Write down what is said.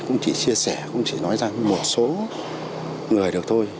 cũng chỉ chia sẻ cũng chỉ nói ra với một số người được thôi